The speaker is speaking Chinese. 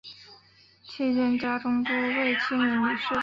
期间家中多位亲人离世。